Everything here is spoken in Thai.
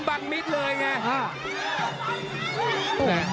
บังมิตรเลยไง